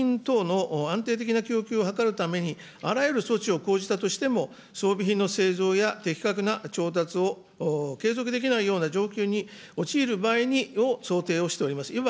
ご指摘の措置は装備品等の安定的な供給を図るために、あらゆる措置を講じたとしても、装備品の製造や的確な調達を継続できないような状況に陥る場合を想定をしております。